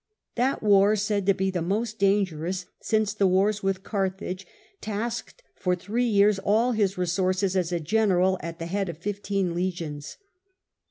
That war, said to be the most dan gerous since the wars with Carthage, tasked for three years all his resources as a general at the head of fifteen legions.